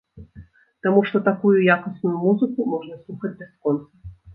Таму што такую якасную музыку можна слухаць бясконца.